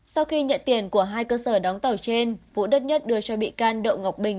sau khi nhận tiền của hai cơ sở đóng tàu trên vũ đất nhất đưa cho bị can đậu ngọc bình